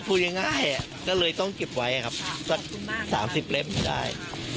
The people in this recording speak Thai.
พูดง่ายก็เลยต้องเก็บไว้ครับสัก๓๐เล่มได้